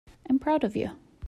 I'm proud of you.